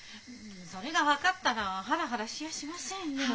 それが分かったらハラハラしやしませんよ。は